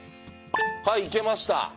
はいいけました。